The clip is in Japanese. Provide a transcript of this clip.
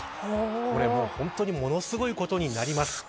これは本当にものすごいことになります。